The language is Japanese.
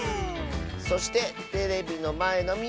そしてテレビのまえのみんな。